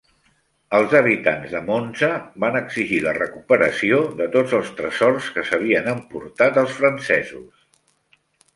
Els habitants de Monza van exigir la recuperació de tots els tresors que s'havien emportat els francesos.